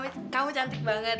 setiap hari kamu cantik banget